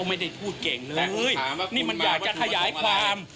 ไม่ได้พูดเก่งเลยแต่เอ้ยนี่มันอยากจะขยายความ